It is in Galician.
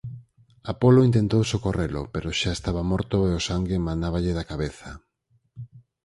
Apolo intentou socorrelo pero xa estaba morto e o sangue manáballe da cabeza.